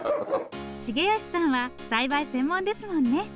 茂吉さんは栽培専門ですもんね。